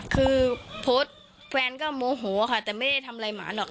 คือโพสต์แฟนก็โมโหค่ะแต่ไม่ได้ทำอะไรหมาหรอก